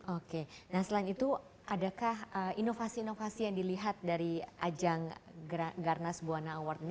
oke nah selain itu adakah inovasi inovasi yang dilihat dari ajang garnas buwana award ini